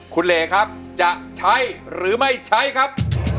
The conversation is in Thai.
คุณเหลครับจะใช้หรือไม่ใช้ครับ